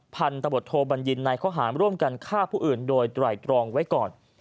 พันธบทโทบัญญินในข้อหารร่วมกันฆ่าผู้อื่นโดยไตรตรองไว้ก่อน